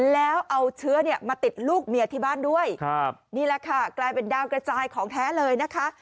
แล้วเอาเชื้อเนี่ยมาติดลูกเมียที่บ้านด้วยครับนี่แหละค่ะกลายเป็นดาวกระจายของแท้เลยนะคะ